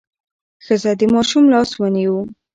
ښځه د ماشوم لاس ونیو.